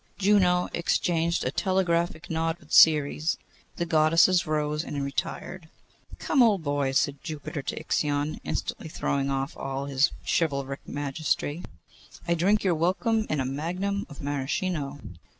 Juno exchanged a telegraphic nod with Ceres. The Goddesses rose, and retired. 'Come, old boy,' said Jupiter to Ixion, instantly throwing off all his chivalric majesty, 'I drink your welcome in a magnum of Maraschino.